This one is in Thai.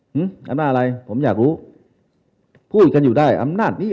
อำนาจอะไรผมอยากรู้พูดกันอยู่ได้อำนาจนี้